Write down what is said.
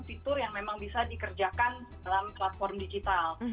fitur yang memang bisa dikerjakan dalam platform digital